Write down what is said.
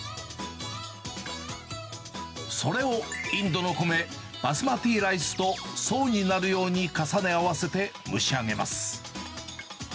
それをインドの米、バスマティライスと層になるように重ね合わせて、蒸し上げます。